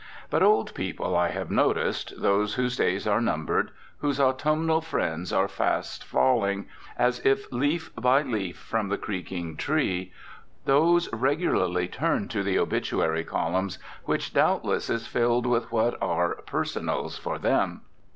But old people, I have noticed, those whose days are numbered, whose autumnal friends are fast falling, as if leaf by leaf from the creaking tree, those regularly turn to the obituary column, which, doubtless, is filled with what are "personals" for them.